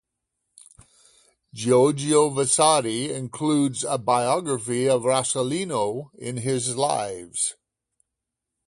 Giorgio Vasari includes a biography of Rossellino in his "Lives".